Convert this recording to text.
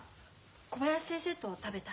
小林先生と食べた。